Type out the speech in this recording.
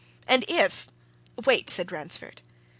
"And if " "Wait!" said Ransford.